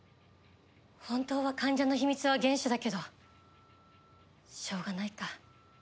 本当は患者の秘密は厳守だけどしょうがないか。